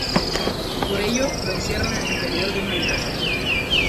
Por ello lo encierran en el interior de una habitación.